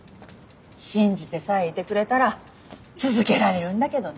信じてさえいてくれたら続けられるんだけどね。